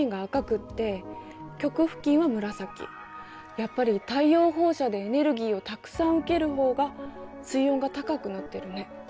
やっぱり太陽放射でエネルギーをたくさん受ける方が水温が高くなってるね。